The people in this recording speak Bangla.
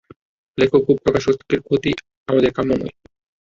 লেখক ও প্রকাশকের ক্ষতি আমাদের কাম্য নয়।